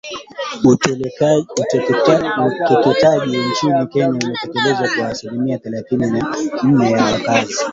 Ukeketaji nchini Kenya unatekelezwa kwa asilimia thelathini na nane ya wakazi